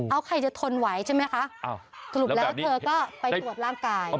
เอาใครจะทนไหวใช่ไหมคะสรุปแล้วเธอก็ไปตรวจร่างกาย